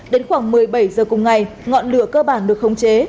đến khoảng một mươi bảy h cùng ngày ngọn lửa cơ bản được khống chế